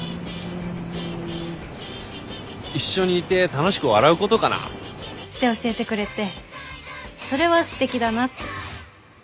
うん一緒にいて楽しく笑うことかな。って教えてくれてそれはすてきだなって。